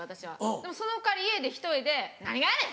でもその代わり家で１人で「何がやねん！